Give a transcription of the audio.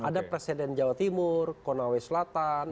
maka ada presiden jawa timur konawes selatan